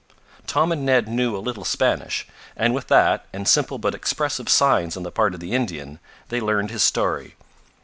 Tom and Ned knew a little Spanish, and with that, and simple but expressive signs on the part of the Indian, they learned his story.